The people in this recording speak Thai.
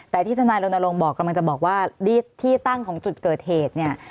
แต่ที่ทนายรณรงค์บอกกำลังจะบอกว่าที่ตั้งของจุดเกิดเหตุเนี่ย